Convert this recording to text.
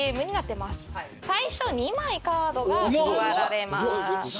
最初２枚カードが配られます。